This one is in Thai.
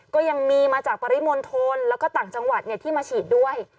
ก็ยังมีมาจากปริมณฑลแล้วก็ต่างจังหวัดที่มาฉีดด้วย